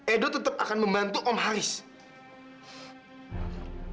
edo tetap akan membantu om halist